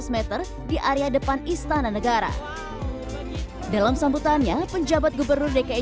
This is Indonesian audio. seratus meter di area depan istana negara dalam sambutannya penjabat gubernur dki